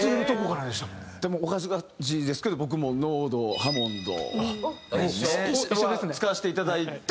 でもお恥ずかしいですけど僕もＮｏｒｄハモンドは使わせていただいて。